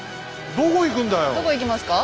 どこ行きますか？